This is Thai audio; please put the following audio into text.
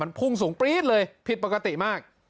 มันพุ่งสูงปรี๊ดเลยผิดปกติมาก